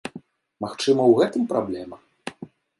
Магчыма, у гэтым праблема?